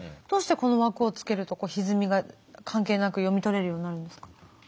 どうしてこの枠をつけるとひずみが関係なく読み取れるようになるんですか？